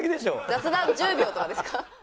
雑談１０秒とかですか？